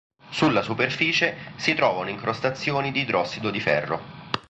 Sulla superficie si trovano incrostazioni di idrossido di ferro.